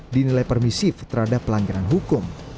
dinilai permisif terhadap pelanggaran hukum